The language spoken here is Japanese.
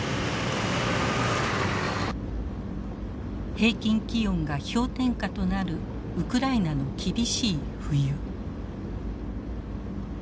平均気温が氷点下となるウクライナの厳しい冬。